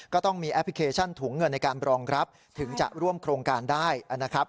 ก็ต้องมีแอปพลิเคชันถุงเงินในการรองรับถึงจะร่วมโครงการได้นะครับ